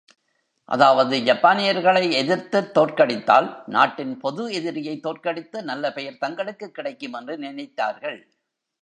அதாவது ஜப்பானியர்களை எதிர்த்துத் தோற்கடித்தால் நாட்டின் பொது எதிரியை தோற்கடித்த நல்ல பெயர் தங்களுக்குக் கிடைக்குமென்று நினைத்தார்கள்.